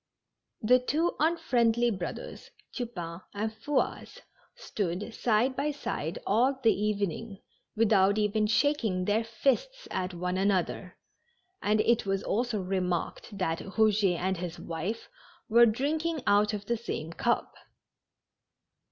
The two unfriendly brothers, Tupain and Fouasse, stood side by side all the evening, with out even shaking their fists at one another, and it was also remarked that Eouget and his wife were drinking out of the same cup.